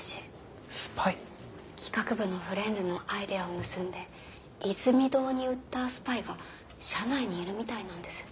企画部のフレンズのアイデアを盗んでイズミ堂に売ったスパイが社内にいるみたいなんです。